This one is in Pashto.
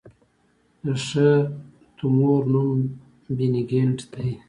د ښه تومور نوم بېنیګنټ دی.